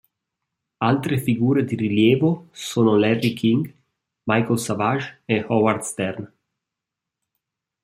Altre figure di rilievo sono Larry King, Michael Savage e Howard Stern.